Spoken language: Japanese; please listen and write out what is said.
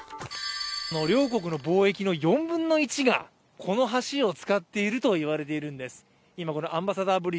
両国の貿易の４分の１がこの橋を使っているといわれているんですアンバサダー